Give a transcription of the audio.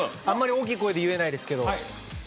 あんまり大きい声で言えないですけど